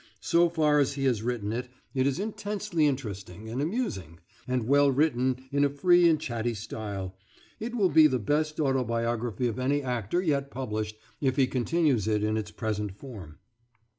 So far as he has written it, it is intensely interesting and amusing, and well written in a free and chatty style; it will be the best autobiography of any actor yet published if he continues it in its present form.